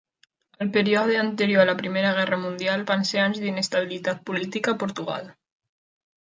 El període anterior a la Primera Guerra Mundial van ser anys d'inestabilitat política a Portugal.